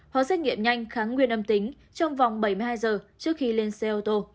hóa xét nghiệm nhanh kháng nguyên âm tính trong vòng bảy mươi hai giờ trước khi lên xe ô tô